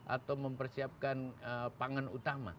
atau mempersiapkan pangan utama